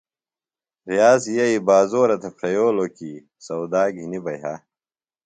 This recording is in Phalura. ریاض یئی بازورہ تھےۡ پھرئلِوۡ کی سودا گِھنیۡ بہ یہہ۔